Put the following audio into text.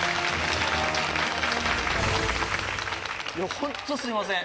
ホントすいません。